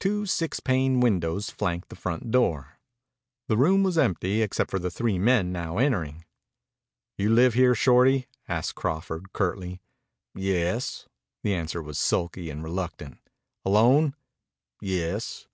Two six pane windows flanked the front door. The room was empty, except for the three men now entering. "You live here, Shorty?" asked Crawford curtly. "Yes." The answer was sulky and reluctant. "Alone?" "Yes."